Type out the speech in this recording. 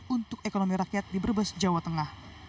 untuk ekonomi rakyat di brebes jawa tengah